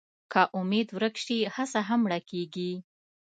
که امېد ورک شي، هڅه هم مړه کېږي.